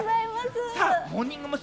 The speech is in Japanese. モーニング娘。